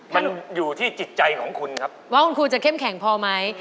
มันอยู่ที่จิตใจของคุณครับว่าคุณครูจะเข้มแข็งพอไหม